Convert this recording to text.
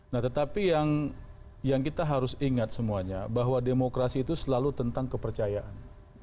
nah tetapi yang kita harus ingat semuanya bahwa demokrasi itu selalu tentang kepercayaan